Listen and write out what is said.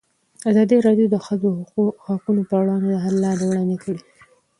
ازادي راډیو د د ښځو حقونه پر وړاندې د حل لارې وړاندې کړي.